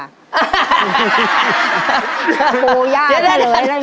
กู้ย้าวเฉลยแล้ว